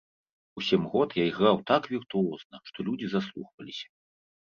У сем год я іграў так віртуозна, што людзі заслухваліся.